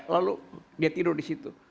lalu dia tidur di situ